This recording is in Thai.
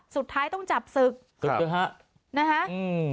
สุดท้ายต้องจับศึกครับศึกนะฮะนะฮะอืม